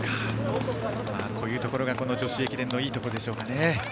こういうところが女子駅伝のいいところでしょうか。